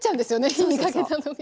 火にかけた時に。